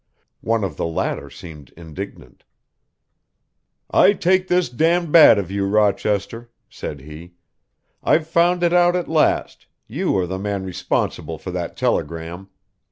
One of the latter seemed indignant. "I take this d d bad of you, Rochester," said he. "I've found it out at last, you are the man responsible for that telegram.